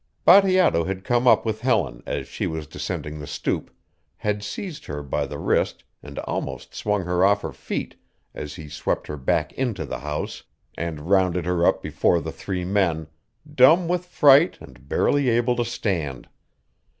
Bateato had come up with Helen as she was descending the stoop, had seized her by the wrist and almost swung her off her feet as he swept her back into the house and rounded her up before the three men, dumb with fright and barely able to stand.